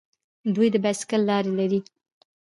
دوی د بایسکل لارې لري.